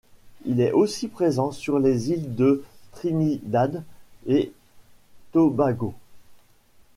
Il est aussi présent sur les îles de Trinidad et Tobago.